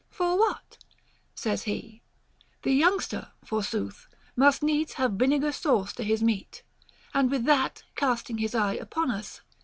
For what? says he. The youngster, forsooth, must needs have vinegar sauce to his meat ; and with that casting his eye upon us.